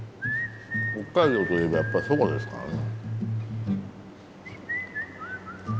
北海道といえばやっぱそばですからね。